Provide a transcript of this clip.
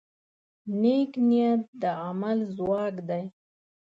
نیک نیت د عمل ځواک دی.